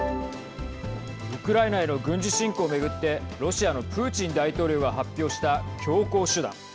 ウクライナへの軍事侵攻を巡ってロシアのプーチン大統領が発表した強硬手段。